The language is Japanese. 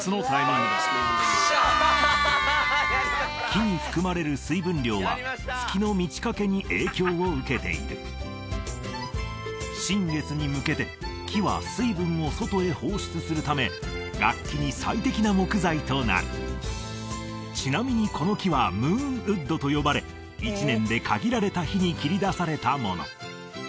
木に含まれる水分量は月の満ち欠けに影響を受けている新月に向けて木は水分を外へ放出するため楽器に最適な木材となるちなみにこの木はムーンウッドと呼ばれ１年で限られた日に切り出されたもの